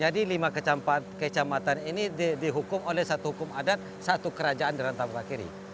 jadi lima kecamatan ini dihukum oleh satu hukum adat satu kerajaan di rantau pak kiri